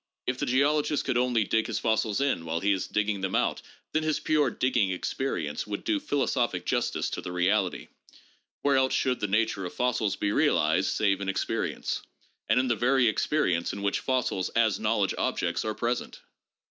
If the geologist could only dig his fossils in while he is digging them out, then his pure digging experience would do philosophic justice to the reality. Where else should the nature of fossils be realized save in experience, — and in the very experience in which fossils as knowledge objects are present